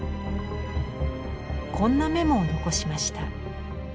こんなメモを残しました。